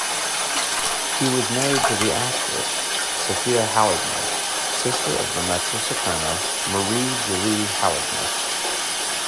He was married to the actress, Sophia Halligner, sister of the mezzo-soprano Marie-Julie Halligner.